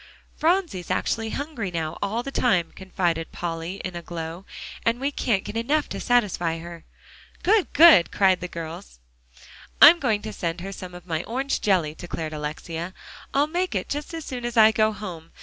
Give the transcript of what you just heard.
"Phronsie's actually hungry now all the time," confided Polly in a glow, "and we can't get enough to satisfy her." "Good good!" cried the girls. "I'm going to send her some of my orange jelly," declared Alexia. "I'll make it just as soon as I go home.